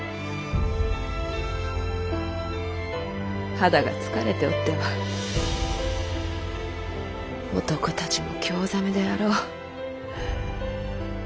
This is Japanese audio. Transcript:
肌が疲れておっては男たちも興ざめであろ。